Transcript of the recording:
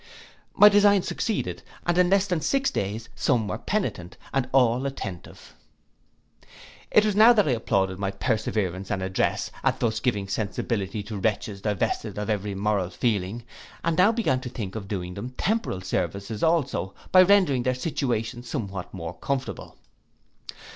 My design succeeded, and in less than six days some were penitent, and all attentive. It was now that I applauded my perseverance and address, at thus giving sensibility to wretches divested of every moral feeling, and now began to think of doing them temporal services also, by rendering their situation somewhat more comfortable.